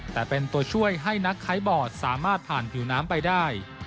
แต่เป็นตัวช่วยให้นักไข้บอร์ดสามารถผ่านผิวน้ำไปได้